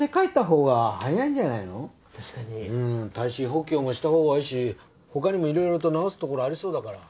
うん耐震補強もしたほうがいいし他にもいろいろと直す所ありそうだから。